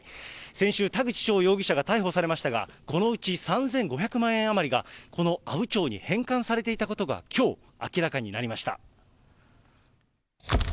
先週、田口翔容疑者が逮捕されましたが、このうち３５００万円余りがこの阿武町に返還されていたことがきょう明らかになりました。